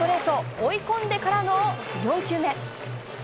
追い込んでからの４球目。